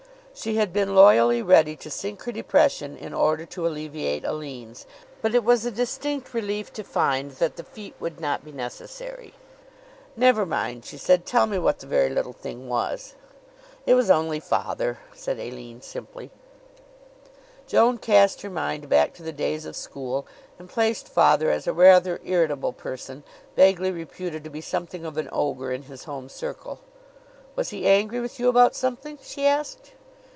She had been loyally ready to sink her depression in order to alleviate Aline's, but it was a distinct relief to find that the feat would not be necessary. "Never mind," she said. "Tell me what the very little thing was." "It was only father," said Aline simply. Joan cast her mind back to the days of school and placed father as a rather irritable person, vaguely reputed to be something of an ogre in his home circle. "Was he angry with you about something?" she asked.